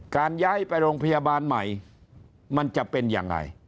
ย้ายไปโรงพยาบาลใหม่มันจะเป็นยังไง